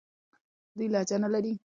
دوی لهجه نه لري.